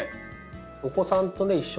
お子さんとね一緒に。